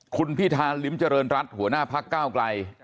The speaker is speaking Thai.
คุณพิธาลิมเจริญรัฐหัวหน้าภักดิ์ก้าวกลาย